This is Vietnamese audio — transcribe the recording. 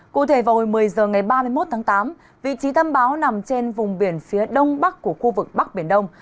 cụ thể vào hồi một mươi h ngày ba mươi một tháng tám vị trí tâm báo nằm trên vùng biển phía đông bắc của khu vực bắc biển đông